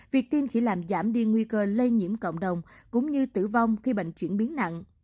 việc tiêm chỉ làm giảm đi nguy cơ lây nhiễm cộng đồng cũng như tử vong khi bệnh chuyển biến nặng